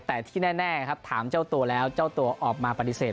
แต่ที่แน่ครับถามเจ้าตัวแล้วเจ้าตัวออกมาปฏิเสธ